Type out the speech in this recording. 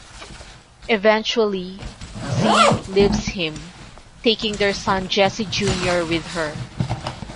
Eventually Zee leaves him, taking their son Jesse Junior with her.